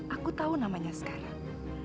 aku tahu namanya sekarang